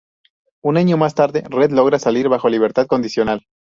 Un año más tarde, Red logra salir bajo libertad condicional.